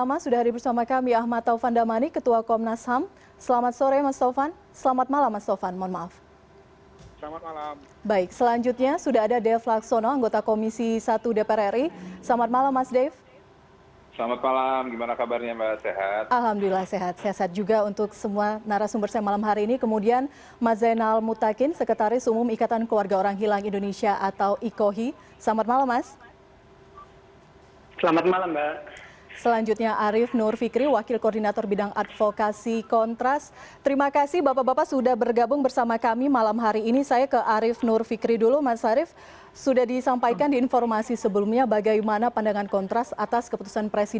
mas arief nur fikri wakil koordinator bidang advokasi kontras